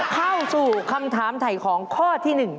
เข้าสู่คำถามไถ่ของข้อที่หนึ่ง